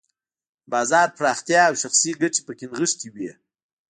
د بازار پراختیا او شخصي ګټې پکې نغښتې وې.